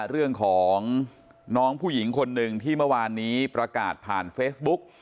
เรื่องของน้องผู้หญิงคนหนึ่งที่เมื่อวานนี้ประกาศผ่านเฟซบุ๊ก